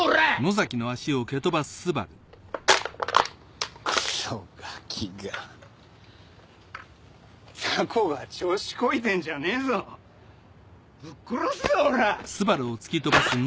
ザコが調子こいてんじゃねえぞぶっ殺すぞおらっ。